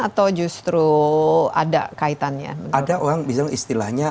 atau justru ada kaitannya